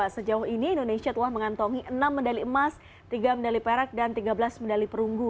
sejauh ini indonesia telah mengantongi enam medali emas tiga medali perak dan tiga belas medali perunggu